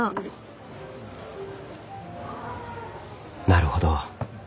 なるほど。